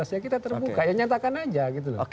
ya kita terbuka nyatakan aja gitu